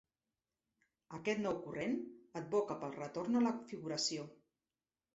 Aquest nou corrent advoca pel retorn a la figuració.